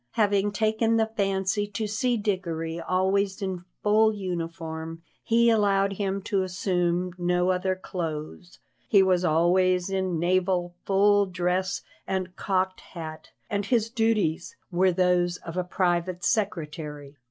Having taken the fancy to see Dickory always in full uniform, he allowed him to assume no other clothes; he was always in naval full dress and cocked hat, and his duties were those of a private secretary.